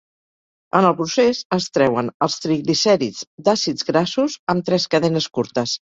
En el procés es treuen els triglicèrids d'àcids grassos amb tres cadenes curtes.